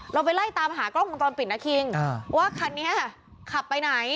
เราไปไล่ตามหากล้องวงจรปิดนะคิงว่าคันนี้ขับไปไหน